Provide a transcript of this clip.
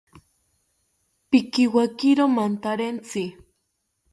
Pikiwakiro mantarentzi